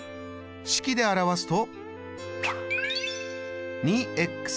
式で表すと。